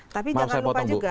tapi jangan lupa juga